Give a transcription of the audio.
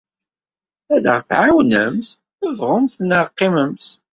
Ad aɣ-tɛawnemt, bɣumt neɣ qqimemt.